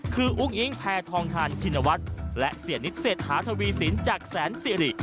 คืออุ้งอิงแพทองทานชินวัฒน์และเสียนิดเศรษฐาทวีสินจากแสนสิริ